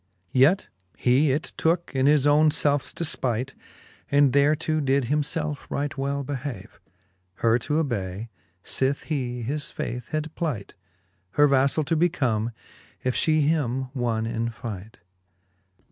Yet he it tooke in his own felfes defpight. And thereto did himfelfe right well behave, Her to ob:^y, fith he his faith had plight, Her vaflall to become, if fhe him wonne in fight.